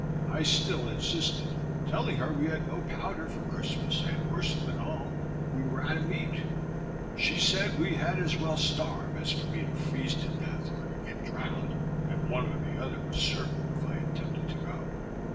I still insisted, telling her we had no powder for Christmass, and, worse than all, we were out of meat. She said, we had as well starve as for me to freeze to death or to get drowned, and one or the other was certain if I attempted to go.